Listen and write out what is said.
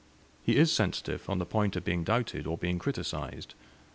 He is sensitive on the point of being doubted or being criticised.